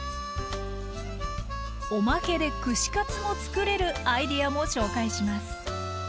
おまけで串カツもつくれるアイデアも紹介します。